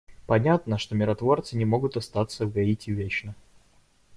Понятно, что миротворцы не могут оставаться в Гаити вечно.